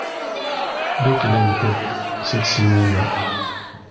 Ddukklent-d seg ssinima.